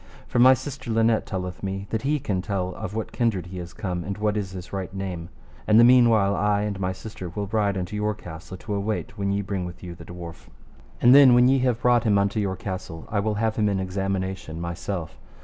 For my sister Linet telleth me that he can tell of what kindred he is come, and what is his right name. And the meanwhile I and my sister will ride unto your castle to await when ye bring with you the dwarf. And then when ye have brought him unto your castle, I will have him in examination myself.